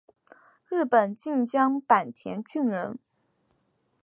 日本近江坂田郡人。